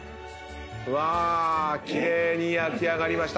うわ奇麗に焼き上がりました。